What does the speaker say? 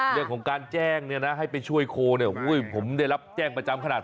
เรื่องของการแจ้งเนี่ยนะให้ไปช่วยโคเนี่ยผมได้รับแจ้งประจำขนาด